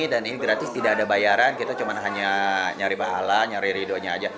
dan ini gratis tidak ada bayaran kita cuma hanya nyari pahala nyari ridhonya aja